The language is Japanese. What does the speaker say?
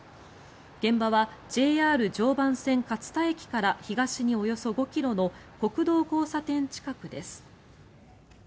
現場はＪＲ常磐線勝田駅から東におよそ５ｋｍの国道交差点近くです。